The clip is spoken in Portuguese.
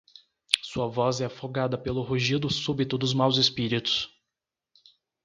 Sua voz é afogada pelo rugido súbito dos maus espíritos.